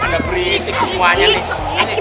mana berisik semuanya nih